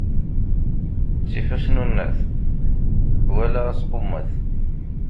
Ttif asnunnet wala asqummet.